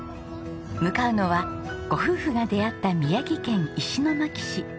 向かうのはご夫婦が出会った宮城県石巻市。